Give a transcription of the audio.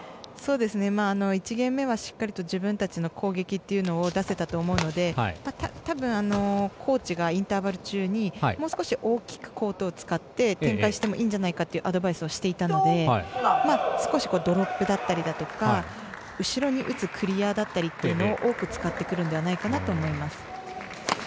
１ゲーム目はしっかりと自分たちの攻撃というのを出せたと思うのでたぶん、コーチがインターバル中にもう少し、大きくコートを使って展開してもいいんじゃないかというアドバイスをしていたので少しドロップだったりだとか後ろに打つクリアだったりというのを多く使ってくるのではないかと思います。